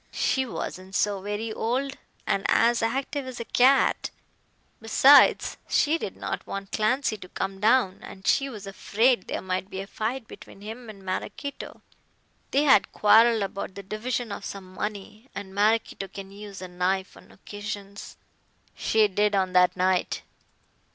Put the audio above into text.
"She wasn't so very old, and as active as a cat. Besides, she did not want Clancy to come down, as she was afraid there might be a fight between him and Maraquito. They had quarrelled about the division of some money, and Maraquito can use a knife on occasions." "She did on that night."